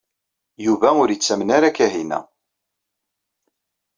Yuba ur yettamen ara Kahina.